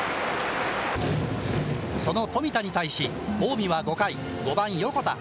その冨田に対し、近江は５回、５番横田。